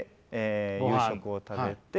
夕食を食べて。